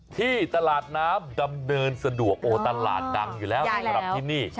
ที่ตลาดน้ำดำเนินสะดวกโอ้ตลาดดังอยู่แล้วสำหรับที่นี่